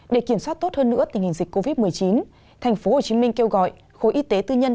để kiểm soát tốt hơn nữa tình hình dịch covid một mươi chín tp hcm kêu gọi khối y tế tư nhân